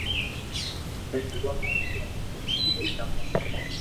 تمي دعا ڪرو ڪي ھون خوݾ ھوئي جاو